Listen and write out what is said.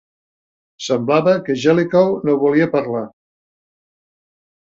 Semblava que Jellicoe no volia parlar.